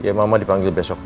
ya mama dipanggil besok